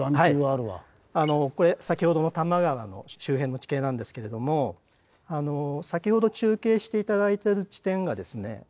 これ先ほどの多摩川の周辺の地形なんですけれども先ほど中継して頂いてる地点がですね